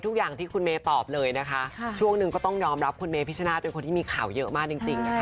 แต่เนี่ยจริงเนี่ยต้องคบเงียบเปิดก็เลยเลิก